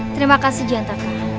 terima kasih jantakah